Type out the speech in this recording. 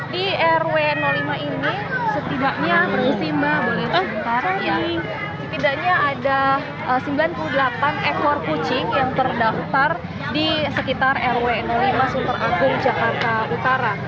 di rw lima ini setidaknya ada sembilan puluh delapan ekor kucing yang terdaftar di sekitar rw lima sunter agung jakarta utara